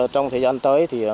trong thời gian tới